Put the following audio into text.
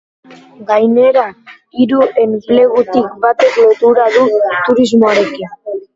Gainera, hiru enplegutik batek lotura du turismoarekin.